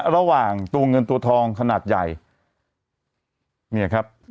ระหว่างตรงเงินตัวทองขนาดใหญ่